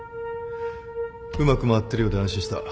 うまく回ってるようで安心した。